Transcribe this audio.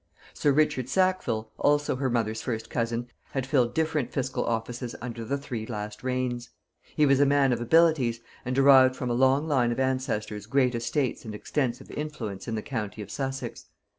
Sir Richard Sackville, also her mother's first cousin, had filled different fiscal offices under the three last reigns; he was a man of abilities, and derived from a long line of ancestors great estates and extensive influence in the county of Sussex.